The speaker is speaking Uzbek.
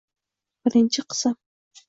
birinchi qism.